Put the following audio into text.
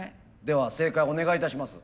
では正解お願いいたします。